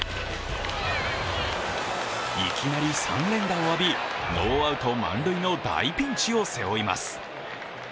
いきなり３連打を浴びノーアウト満塁の大ピンチを背負います。